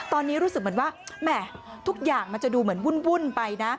ตอนนี้รู้สึกเหมือนว่าแหมทุกอย่างมันจะดูเหมือนวุ่นไปนะ